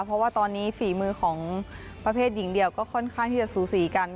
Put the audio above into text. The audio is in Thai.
เพราะว่าตอนนี้ฝีมือของประเภทหญิงเดียวก็ค่อนข้างที่จะสูสีกัน